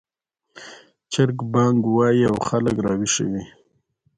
چرګ بانګ وايي او خلک راویښوي